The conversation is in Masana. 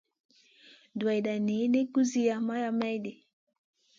Duwayda niyn kusiya maraʼha maydi.